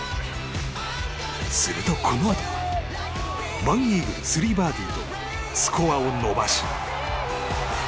すると、このあと１イーグル３バーディーとスコアを伸ばし。